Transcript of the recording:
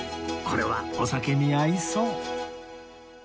これはお酒に合いそう